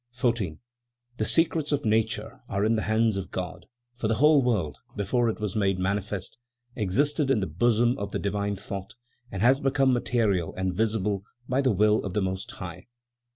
14. "The secrets of nature are in the hands of God, for the whole world, before it was made manifest, existed in the bosom of the divine thought, and has become material and visible by the will of the Most High.